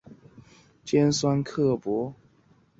她常常说话尖酸刻薄